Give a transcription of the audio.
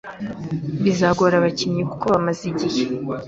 Bizagora abakinnyi kuko bamaze igihe…